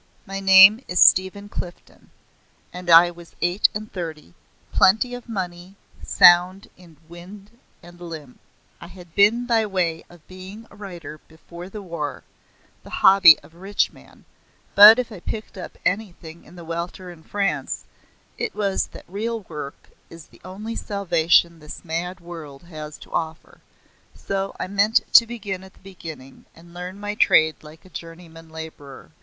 My name is Stephen Clifden, and I was eight and thirty; plenty of money, sound in wind and limb. I had been by way of being a writer before the war, the hobby of a rich man; but if I picked up anything in the welter in France, it was that real work is the only salvation this mad world has to offer; so I meant to begin at the beginning, and learn my trade like a journeyman labourer.